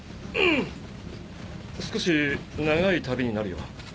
少し長い旅になるよ。